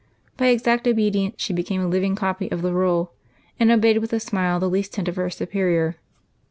By exact obedience she became a living copy of the rule, and obeyed with a smile the least hint of her Superior.